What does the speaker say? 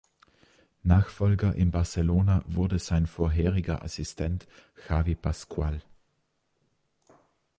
Nachfolger in Barcelona wurde sein vorheriger Assistent Xavi Pascual.